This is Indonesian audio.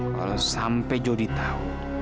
kalau sampai jody tahu